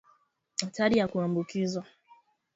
hatari ya kuambukizwa